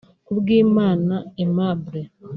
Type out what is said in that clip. Kubwimana Aimable